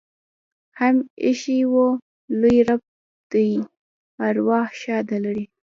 هم ایښي وه. لوى رب دې ارواح ښاده لري.